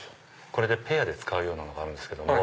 これでペアで使うようなのがあるんです。